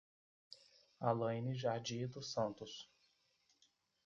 Alainy Jardi dos Santos